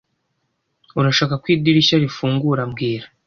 Urashaka ko idirishya rifungura mbwira